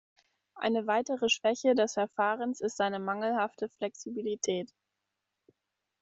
Eine weitere Schwäche des Verfahrens ist seine mangelhafte Flexibilität.